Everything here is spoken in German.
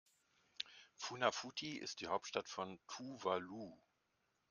Funafuti ist die Hauptstadt von Tuvalu.